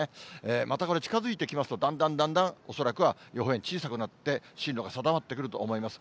またこれ、近づいてきますと、だんだんだんだん、恐らくは予報円、小さくなって、進路が定まってくると思います。